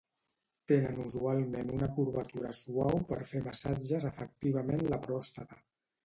Tenen usualment una curvatura suau per fer massatges efectivament la pròstata.